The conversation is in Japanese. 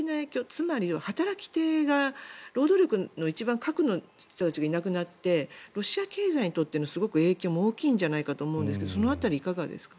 つまり働き手が労働力の一番核の人たちがいなくなってロシア経済にとっての影響も大きいんじゃないかと思うんですがその辺りはいかがですか？